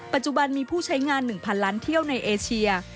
ปัจจุบันมีผู้ใช้งาน๑๐๐ล้านเที่ยวในเอเชีย